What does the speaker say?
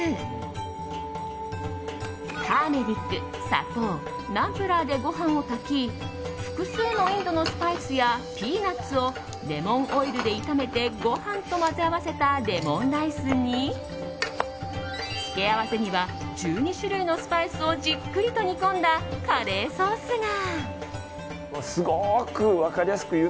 ターメリック、砂糖ナンプラーでご飯を炊き複数のインドのスパイスやピーナツをレモンオイルで炒めてご飯と混ぜ合わせたレモンライスに付け合わせには１２種類のスパイスをじっくりと煮込んだカレーソースが。